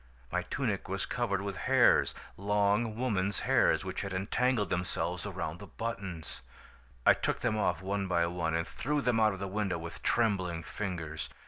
My tunic was covered with hairs, long woman's hairs which had entangled themselves around the buttons! "I took them off one by one and threw them out of the window with trembling fingers.